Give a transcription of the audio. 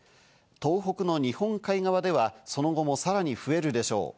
東北の日本海側ではその後もさらに増えるでしょう。